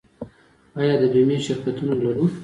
آیا د بیمې شرکتونه لرو؟